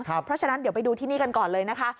เพราะฉะนั้นเดี๋ยวไปดูที่นี่กันก่อนเลยนะคะ